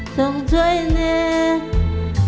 ส่งช่วยเนย